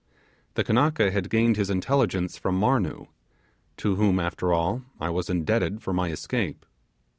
The Kanaka had gained his intelligence from Marnoo, to whom, after all, I was indebted for my escape.